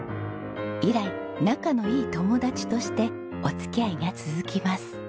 以来仲のいい友達としてお付き合いが続きます。